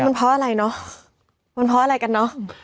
มันเพราะอะไรเนอะมันเพราะอะไรกันเนอะ